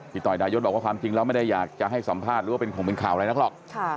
ต่อยดายศบอกว่าความจริงแล้วไม่ได้อยากจะให้สัมภาษณ์หรือว่าเป็นของเป็นข่าวอะไรนักหรอก